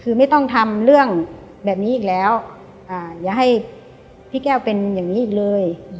คือไม่ต้องทำเรื่องแบบนี้อีกแล้วอย่าให้พี่แก้วเป็นอย่างนี้อีกเลย